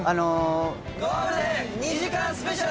ゴールデン２時間スペシャル。